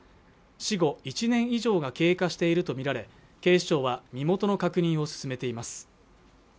死後１年以上が経過していると見られ警視庁は身元の確認を進めています